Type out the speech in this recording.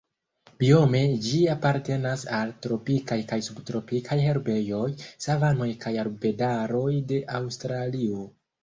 Biome ĝi apartenas al tropikaj kaj subtropikaj herbejoj, savanoj kaj arbedaroj de Aŭstralio.